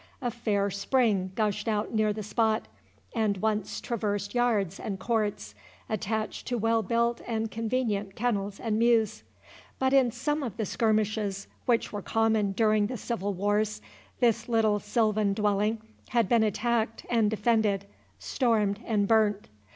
A fair spring gushed out near the spot, and once traversed yards and courts, attached to well built and convenient kennels and mews. But in some of the skirmishes which were common during the civil wars, this little silvan dwelling had been attacked and defended, stormed and burnt.